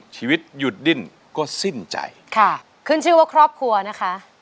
ชีวิตหยุดดิ้นก็สิ้นใจค่ะขึ้นชื่อว่าครอบครัวนะคะ